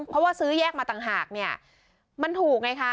เพราะว่าซื้อแยกมาต่างหากเนี่ยมันถูกไงคะ